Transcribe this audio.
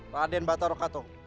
raden bata rokatong